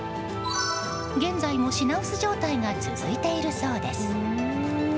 現在も品薄状態が続いているそうです。